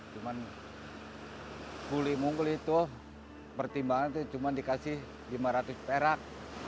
cuman kuli mungkul itu pertimbangan itu cuma dikasih lima ratus perak